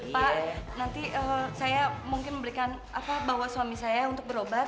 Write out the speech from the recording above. pak nanti saya mungkin memberikan apa bawa suami saya untuk berobat